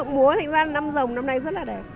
rồng búa thành ra là năm rồng năm nay rất là đẹp